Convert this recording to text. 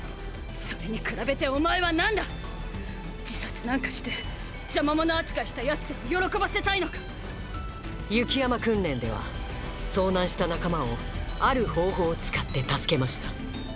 それに比べてお前は何だ⁉自殺なんかして邪魔者扱いした奴らを喜ばせたいのか⁉雪山訓練では遭難した仲間をある方法を使って助けました